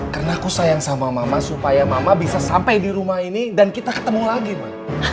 karena aku sayang sama mama supaya mama bisa sampai di rumah ini dan kita ketemu lagi ma